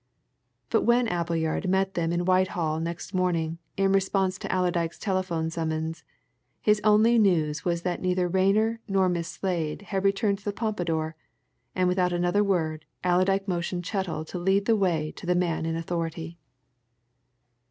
But when Appleyard met them in Whitehall next morning, in response to Allerdyke's telephone summons, his only news was that neither Rayner nor Miss Slade had returned to the Pompadour, and without another word Allerdyke motioned Chettle to lead the way to the man in authority.